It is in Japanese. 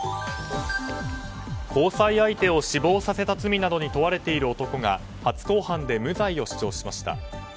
交際相手を死亡させた罪などに問われている男が初公判で無罪を主張しました。